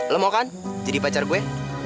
lo mau kan jadi pacar gue